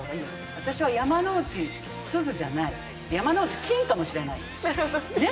私は山之内すずじゃない、山之内金かもしれない。